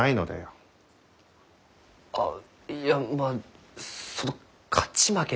あいやまあその勝ち負けでは。